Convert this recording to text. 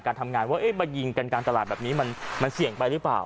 ทำงานว่ามายิงกันกลางตลาดแบบนี้มันเสี่ยงไปหรือเปล่า